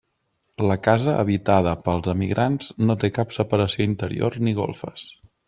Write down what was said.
La casa habitada pels emigrants no té cap separació interior ni golfes.